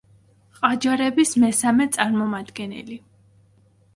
ყაჯარების მესამე წარმომადგენელი.